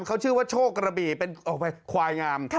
เขาชื่อว่าโชคกระบี่เป็นควายงาม